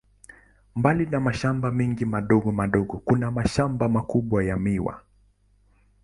Mbali ya mashamba mengi madogo madogo, kuna mashamba makubwa ya miwa.